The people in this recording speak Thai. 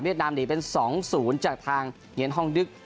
เดี๋ยวน้ำเดี่ยวเป็นสองศูนย์จากทางเหนียนท่องดึก